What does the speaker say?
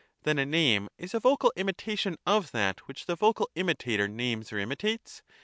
Then a name is a vocal imitation of that which the vocal imitator names or imitates?